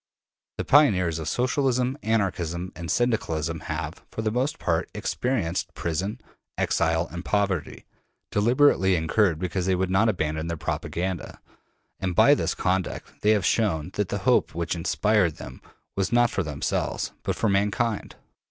The pioneers of Socialism, Anarchism, and Syndicalism have, for the most part, experienced prison, exile, and poverty, deliberately incurred because they would not abandon their propaganda; and by this conduct they have shown that the hope which inspired them was not for themselves, but for mankind.